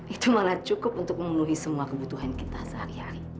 itu malah cukup untuk memenuhi semua kebutuhan kita sehari hari